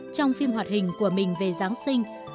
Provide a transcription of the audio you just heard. trong phim hoạt hình của mình về giáng sinh